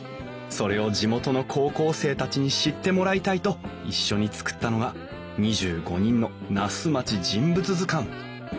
それを地元の高校生たちに知ってもらいたいと一緒に作ったのが２５人の「那須まち人物図鑑」。